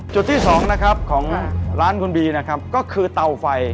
จุดที่สองนะครับของร้านคุณบีนะครับก็คือเตาไฟ